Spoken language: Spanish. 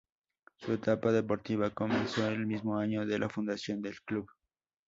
Su etapa deportiva comenzó el mismo año de la fundación del club.